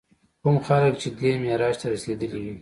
کوم خلک چې دې معراج ته رسېدلي وي.